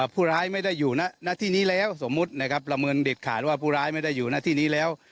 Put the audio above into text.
ผู้ร้ายไม่ได้อยู่หน้าที่นี้แล้วสมมุตินะครับประเมินเด็ดขาดว่าผู้ร้ายไม่ได้อยู่หน้าที่นี้แล้ว